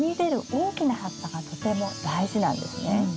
大きな葉っぱがとても大事なんですね。